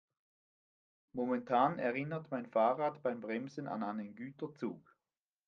Momentan erinnert mein Fahrrad beim Bremsen an einen Güterzug.